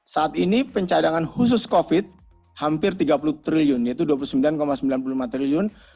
saat ini pencadangan khusus covid hampir rp tiga puluh triliun yaitu rp dua puluh sembilan sembilan puluh lima triliun